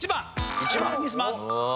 １番にします。